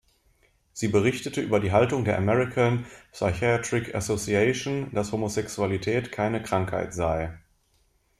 Sie berichtete über die Haltung der American Psychiatric Association, das Homosexualität keine Krankheit sei.